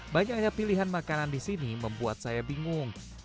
banyaknya pilihan makanan di sini membuat saya bingung